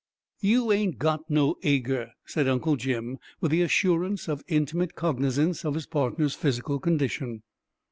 "You ain't got no ager," said Uncle Jim, with the assurance of intimate cognizance of his partner's physical condition.